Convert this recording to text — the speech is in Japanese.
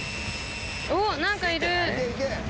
おっ何かいる。